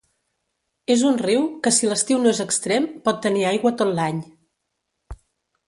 És un riu que si l'estiu no és extrem, pot tenir aigua tot l'any.